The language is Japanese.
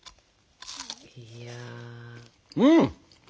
うん！